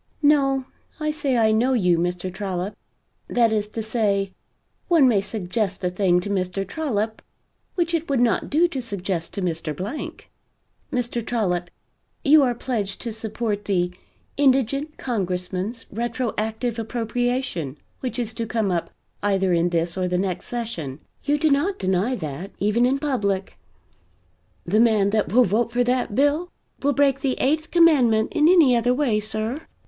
No, I say I know you Mr. Trollop. That is to say, one may suggest a thing to Mr. Trollop which it would not do to suggest to Mr. Blank. Mr. Trollop, you are pledged to support the Indigent Congressmen's Retroactive Appropriation which is to come up, either in this or the next session. You do not deny that, even in public. The man that will vote for that bill will break the eighth commandment in any other way, sir!"